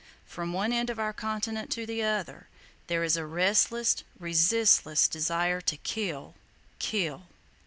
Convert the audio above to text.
From one end of our continent to the other, there is a restless, resistless desire to "kill, kill!"